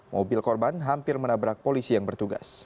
mobil korban hampir menabrak polisi yang bertugas